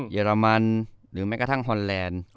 เรมันหรือแม้กระทั่งฮอนแลนด์